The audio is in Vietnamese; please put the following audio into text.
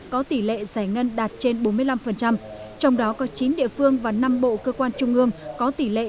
có tỷ lệ giải ngân đạt trên bốn mươi năm trong đó có chín địa phương và năm bộ cơ quan trung ương có tỷ lệ